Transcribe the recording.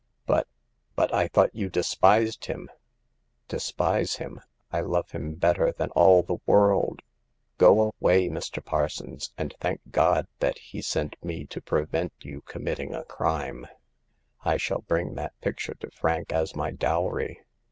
But — ^but I thought you despised him !"Despise him? I love him better than all the world ! Go away, Mr. Parsons, and thank God that He sent me to prevent you committing a crime. I shall bring that picture to Frank as my dowry.